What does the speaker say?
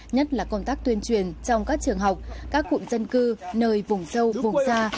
nhất là công tác tuyên truyền trong các trường học các cụm dân cư nơi vùng sâu vùng xa